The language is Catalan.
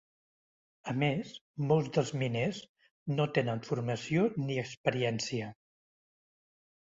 A més, molts dels miners no tenen formació ni experiència.